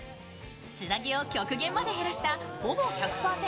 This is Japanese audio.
つなぎを極限まで減らしたほぼ１００％